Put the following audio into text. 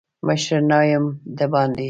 مشرو نه یم دباندي.